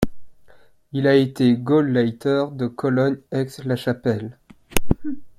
Il a été gauleiter de Cologne-Aix La Chapelle.